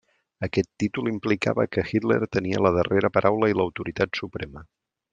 Aquest títol implicava que Hitler tenia la darrera paraula i l'autoritat suprema.